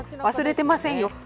忘れてませんよ！